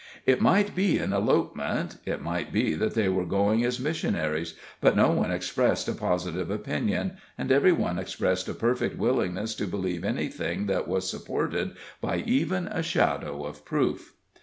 It might be an elopement it might be that they were going as missionaries; but no one expressed a positive opinion, and every one expressed a perfect willingness to believe anything that was supported by even a shadow of proof.